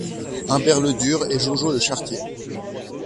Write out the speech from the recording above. Humbert Ledur et Jojo le charretier.